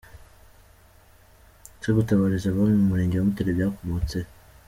Ese gutabariza abami mu murenge wa Rutare byakomotse he?.